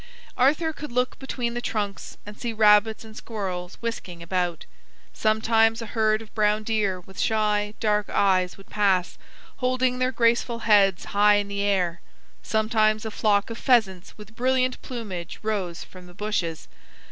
Arthur could look between the trunks and see rabbits and squirrels whisking about. Sometimes a herd of brown deer with shy dark eyes would pass, holding their graceful heads high in the air; sometimes a flock of pheasants with brilliant plumage rose from the bushes.